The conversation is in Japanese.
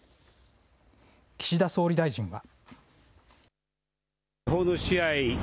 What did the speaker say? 岸田総理大臣は。